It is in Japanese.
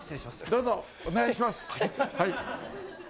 どうぞ、お願いします。